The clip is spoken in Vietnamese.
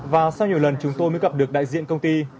và sau nhiều lần chúng tôi mới gặp được đại diện công ty